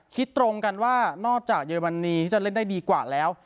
คิดตรงกันว่านอกจากเยอรมนีที่จะเล่นได้ดีกว่าแล้ว